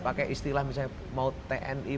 pakai istilah misalnya mau tni